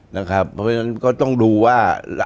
เพราะฉะนั้นก็ต้องดูว่า